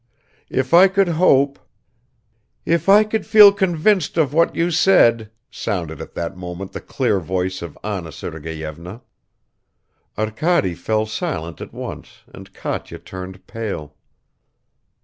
"If I could hope ..." "If I could feel convinced of what you said," sounded at that moment the clear voice of Anna Sergeyevna. Arkady fell silent at once and Katya turned pale.